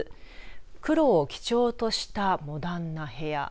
黒を基調としたモダンな部屋。